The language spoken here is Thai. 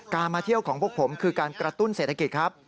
มาเที่ยวของพวกผมคือการกระตุ้นเศรษฐกิจครับ